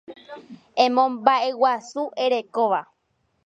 Emomba'eguasu erekóva